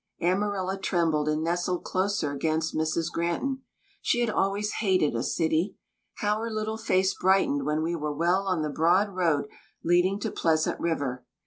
Amarilla trembled, and nestled closer against Mrs. Granton. She had always hated a city. How her little face brightened when we were well on the broad road leading to Pleasant River.